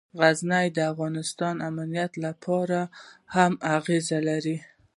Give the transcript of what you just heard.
غزني د افغانستان د امنیت په اړه هم اغېز لري.